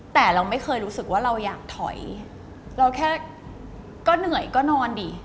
แต่เราไม่เคยรู้สึกว่าเราอยากถอยเราแค่ก็เหนื่อยก็นอนดิ